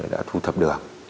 đã thu thập được